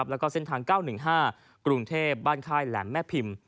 แล้วก็เส้นทาง๙๑๕กรุงเทพบ้านค่ายแหลมแม่พิมพ์